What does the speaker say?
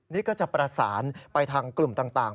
นี่ก็จะประสานไปทางกลุ่มต่าง